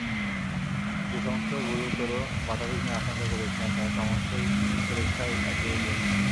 যে সমস্ত গুরুতর বাধাবিঘ্নের আশঙ্কা করিয়াছিলেন তাহা সমস্তই ঈশ্বরেচ্ছায় কাটিয়া গিয়াছে।